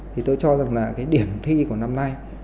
thì tôi cho rằng là cái điểm thi của năm nay